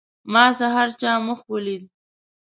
ما سحر چا مخ ولید.